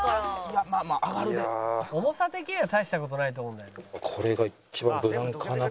「重さ的には大した事ないと思うんだよな」